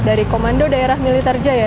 dari komando daerah militer jaya